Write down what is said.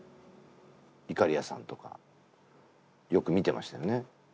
いかりやさんとかよく見てましたよね。